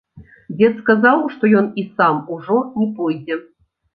Дзед сказаў, што ён і сам ужо не пойдзе.